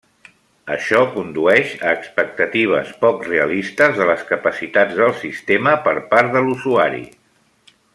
Això condueix a expectatives poc realistes de les capacitats del sistema per part de l'usuari.